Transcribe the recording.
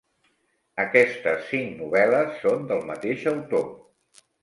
Aquestes cinc novel·les són del mateix autor.